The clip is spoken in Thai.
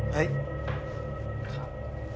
เฮ้ยครับ